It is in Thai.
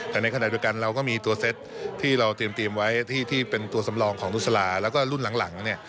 แต่ในขณะไปกันเราก็มีตัวเซ็ตที่เราเตรียมเตรียมไว้ที่ที่เป็นตัวสำรองของนุสราแล้วก็รุ่นหลังหลังเนี้ย